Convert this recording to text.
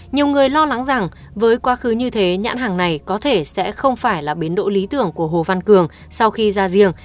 nhiều người lo lắng rằng với quá khứ như thế nhãn hàng này có thể sẽ không phải là biến độ lý tưởng của hồ văn cường sau khi ra riêng